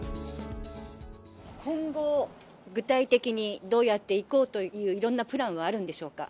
今後、具体的に、どうやっていこうといういろんなプランはあるんでしょうか。